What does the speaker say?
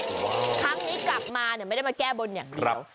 ครั้งนี้กลับมาไม่ได้มาแก้บนอย่างเดียว